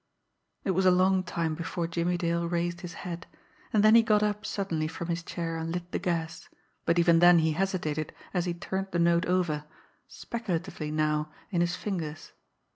It was a long time before Jimmie Dale raised his head, and then he got up suddenly from his chair, and lit the gas. But even then he hesitated as he turned the note over, speculatively now, in his fingers.